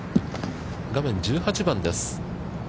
画面１８番です。